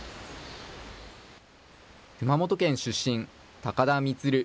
熊本県出身、高田満。